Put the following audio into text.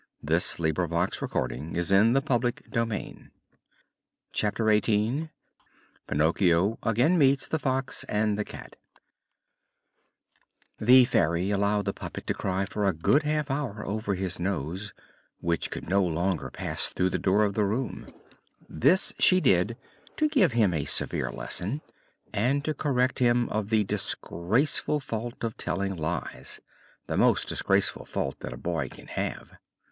THEY FELL INTO THE VERY MIDDLE OF THE DITCH] CHAPTER XVIII PINOCCHIO AGAIN MEETS THE FOX AND THE CAT The Fairy allowed the puppet to cry for a good half hour over his nose, which could no longer pass through the door of the room. This she did to give him a severe lesson, and to correct him of the disgraceful fault of telling lies the most disgraceful fault that a boy can have.